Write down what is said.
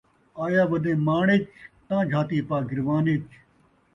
آیا ودیں ماݨ ءِچ، تاں جھاتی پا گروان ءِچ